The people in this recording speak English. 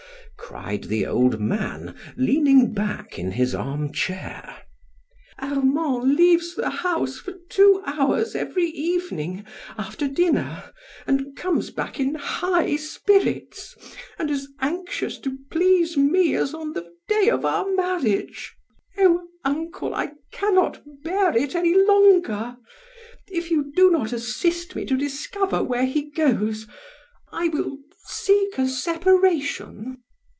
cried the old man, leaning back in his armchair. "Armand leaves the house for two hours every evening, after dinner, and comes back in high spirits and as anxious to please me as on the day of our marriage. Oh, uncle, I cannot bear it any longer! If you do not assist me to discover where he goes, I will seek a separation."